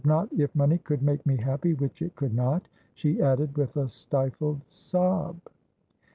Not if money could make me happy — which it could not,' she added with a stifled sob.